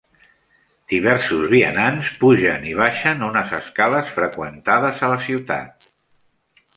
Diversos vianants pugen i baixen unes escales freqüentades a la ciutat.